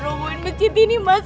mas jangan rumuhin masjid ini mas